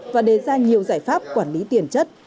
và đề ra nhiều giải pháp quản lý tiền chất